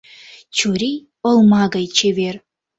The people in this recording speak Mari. Чурий — олма гай чевер.